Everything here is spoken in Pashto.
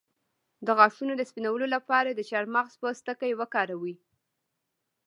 د غاښونو د سپینولو لپاره د چارمغز پوستکی وکاروئ